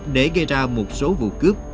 để gây ra một số vụ cướp